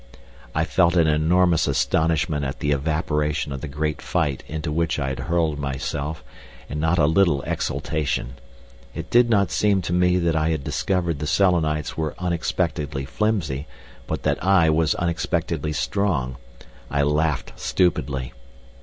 I felt an enormous astonishment at the evaporation of the great fight into which I had hurled myself, and not a little exultation. It did not seem to me that I had discovered the Selenites were unexpectedly flimsy, but that I was unexpectedly strong. I laughed stupidly.